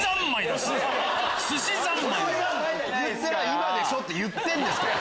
「今でしょ！」って言ってるんですから。